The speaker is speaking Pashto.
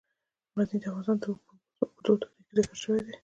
غزني د افغانستان په اوږده تاریخ کې ذکر شوی دی.